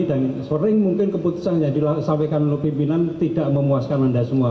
dan sering mungkin keputusan yang disampaikan oleh pimpinan tidak memuaskan anda semua